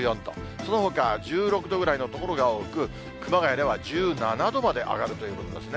そのほか１６度ぐらいの所が多く、熊谷では１７度まで上がるということですね。